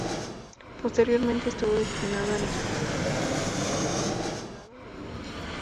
Posteriormente estuvo destinado en Egipto, entonces un protectorado británico.